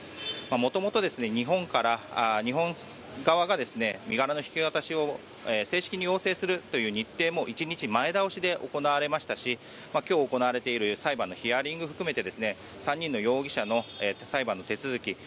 元々、日本側が身柄の引き渡しを正式に要請するという日程も１日前倒しで行われましたし今日行われている裁判のヒアリングも３人の容疑者の裁判の手続き